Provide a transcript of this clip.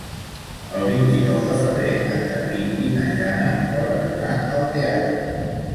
El vint-i-nou de febrer en Garbí i na Jana volen anar al teatre.